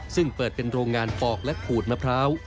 ซึ่งเปิดเป็นโรงงานปอกและขูดมะพร้าว